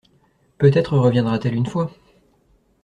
Peut-être reviendra-t-elle une fois.